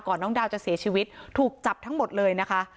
น้องดาวจะเสียชีวิตถูกจับทั้งหมดเลยนะคะ